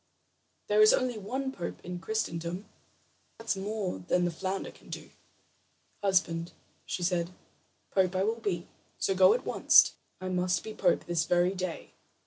There is only one pope in Christendom. That's more than the flounder can do." "Husband," she said, "pope I will be; so go at once. I must be pope this very day."